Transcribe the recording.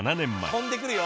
「飛んでくるよ」